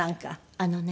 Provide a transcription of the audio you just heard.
あのね